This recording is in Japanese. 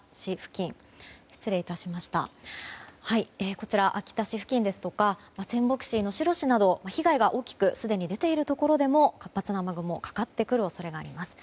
こちらの秋田市付近ですとか仙北市、能代市など被害が大きくすでに出ているところでも活発な雨雲がかかってくる恐れがあります。